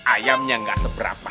ayamnya gak seberapa